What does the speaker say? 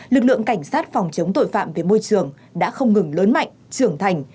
lực lượng cảnh sát phòng chống tội phạm về môi trường đã không ngừng lớn mạnh trưởng thành